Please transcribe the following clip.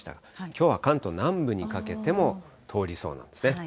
きょうは関東南部にかけても通りそうなんですね。